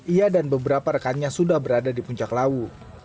ia dan beberapa rekannya sudah berada di puncak lawu